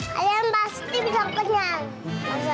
kalian pasti bisa kenyang